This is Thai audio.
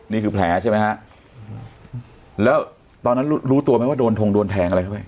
นี่คือแผลใช่ไหมฮะแล้วตอนนั้นรู้ตัวไหมว่าโดนทงโดนแทงอะไรเข้าไป